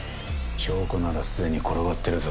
証拠ならすでに転がってるぞ。